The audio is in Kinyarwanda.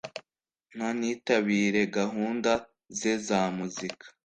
ntanitabire gahunda ze za muzika.